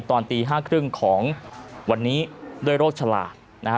ตอนตี๕๓๐ของวันนี้ด้วยโรคฉลาดนะฮะ